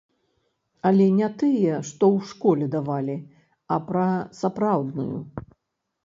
Але не тыя, што ў школе давалі, а пра сапраўдную.